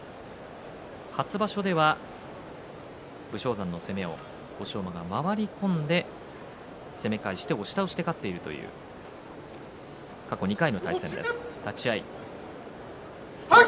初場所では武将山の攻めを欧勝馬が回り込んで攻め返して押し倒して勝っているという過去２回の対戦です。